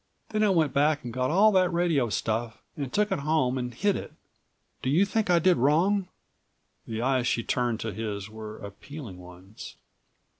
Then I went back and got all that radio stuff and took it home and hid it. Do you think I did wrong?" The eyes she turned to his were appealing ones.